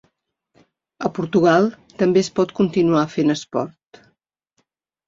A Portugal també es pot continuar fent esport.